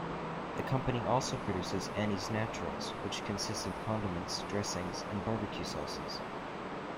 The company also produces Annie's Naturals, which consists of condiments, dressings, and barbecue sauces.